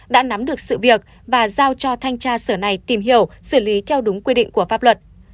đã nắm được sự việc và giao cho thanh tra sở này tìm hiểu xử lý theo đúng quy định của pháp luật